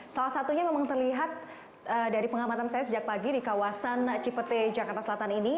salah satunya memang terlihat dari pengamatan saya sejak pagi di kawasan cipete jakarta selatan ini